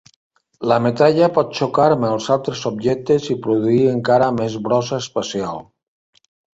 La metralla pot xocar amb altres objectes i produir encara més brossa espacial.